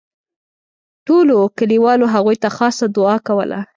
ټولو کلیوالو هغوی ته خاصه دوعا کوله.